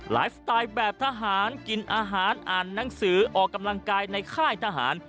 ไลฟ์สไตล์แบบทหารกินอาหารอ่านหนังสือออกกำลังกายในค่ายทหาร